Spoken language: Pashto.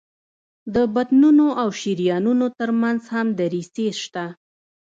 د بطنونو او شریانونو تر منځ هم دریڅې شته.